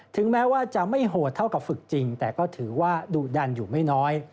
ถึงแม้ว่าจะไม่โหดเท่ากับฝึกจริงแต่ก็ถือว่าดุดันอยู่ไม่น้อย